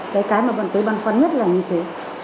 cái mà vẫn tới băn khoăn nhất là như thế